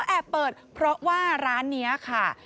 แอบเปิดเพราะว่าร้านนี้ค่ะ